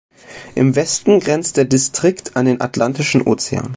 Im Westen grenzt der Distrikt an den atlantischen Ozean.